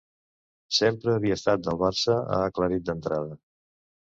Sempre havia estat del Barça, ha aclarit d’entrada.